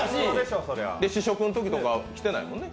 試食のときとか来てない？